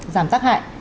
giảm tác hại